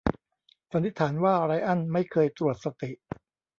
สันนิษฐานว่าไรอันไม่เคยตรวจสติ